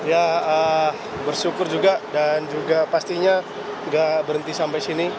ya bersyukur juga dan juga pastinya nggak berhenti sampai sini